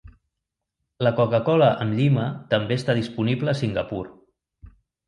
La Coca-Cola amb llima també està disponible a Singapur.